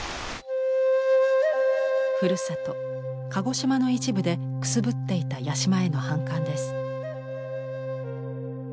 ふるさと鹿児島の一部でくすぶっていた八島への反感です。